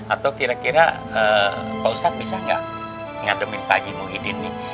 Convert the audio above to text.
atau kira kira pak ustadz bisa gak ngademin pak haji muhyiddin nih